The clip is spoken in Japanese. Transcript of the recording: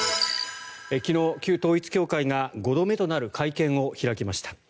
昨日、旧統一教会が５度目となる会見を開きました。